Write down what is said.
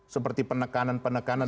seperti penekanan penekanan